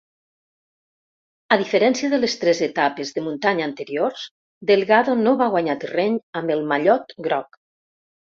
A diferència de les tres etapes de muntanya anteriors, Delgado no va guanyar terreny amb el mallot groc.